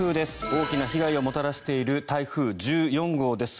大きな被害をもたらしている台風１４号です。